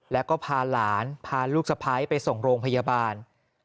แล้วก็พาหลานพาลูกสะพ้ายไปส่งโรงพยาบาล